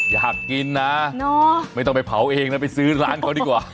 อยากกินนะไม่ต้องไปเผาเองนะไปซื้อร้านเขาดีกว่า